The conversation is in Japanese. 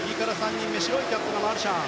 白いキャップがマルシャン。